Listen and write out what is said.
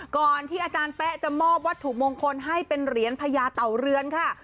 ก่อนที่อาจารย์แป๊ะจะมอบวัตถุมงคลให้เป็นเหรียญพญาเต่าเรือนค่ะ